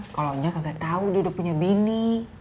kalo minah kagak tau dia udah punya bini